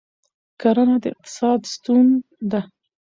کرنه د اقتصاد ستون ده.